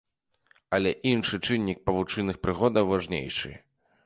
Але іншы чыннік павучыных прыгодаў важнейшы.